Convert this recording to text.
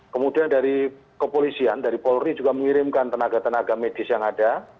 kemudian dari kepolisian dari polri juga mengirimkan tenaga tenaga medis yang ada